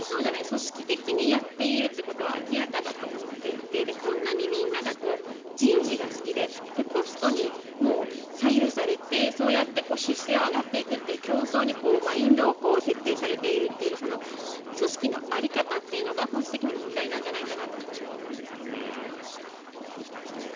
組織的にやってることは明らかだと思っていてこんなにみんなが人事が好きでポストに左右されて、そうやって出世を上がっていくという競争にマインドを設定されているという組織の在り方というのが本質的には問題なんじゃないかと私は思いますけどね。